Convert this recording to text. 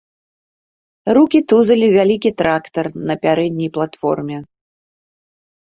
Рукі тузалі вялікі трактар на пярэдняй платформе.